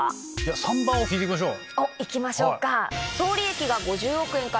３番を聞いてみましょう。